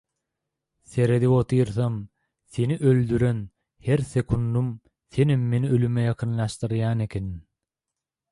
Seredip otursam seni öldüren her sekundym senem meni ölüme ýakynlaşdyrýan ekeniň.